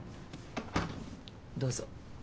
どうぞ。